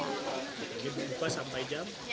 pagi buka sampai jam